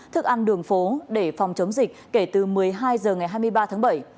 thức ăn đường phố để phòng chống dịch kể từ một mươi hai h ngày hai mươi ba tháng bảy